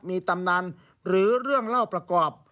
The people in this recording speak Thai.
มีตำนานหรือเรื่องเล่าประกอบ